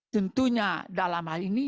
tentunya dalam hal ini